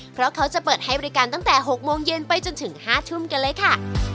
เพราะเขาจะเปิดให้บริการตั้งแต่๖โมงเย็นไปจนถึง๕ทุ่มกันเลยค่ะ